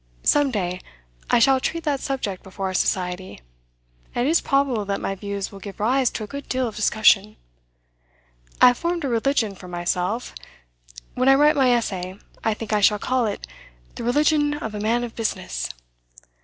Some day I shall treat that subject before our Society, and it is probable that my views will give rise to a good deal of discussion. I have formed a religion for myself; when I write my essay, I think I shall call it "The Religion of a Man of Business."